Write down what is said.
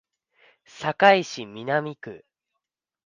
堺市南区